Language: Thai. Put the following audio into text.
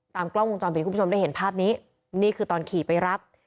กล้องวงจรปิดคุณผู้ชมได้เห็นภาพนี้นี่คือตอนขี่ไปรับ